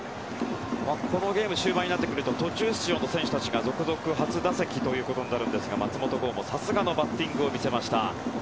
このゲーム終盤になってくると途中出場の選手たちが続々、初打席ということになるんですが松本剛もさすがのバッティングを見せました。